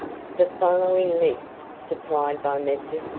The following list, supplied by Messrs.